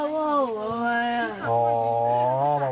ว่าพ่อผมทำไม